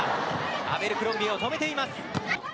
アベルクロンビエを止めています。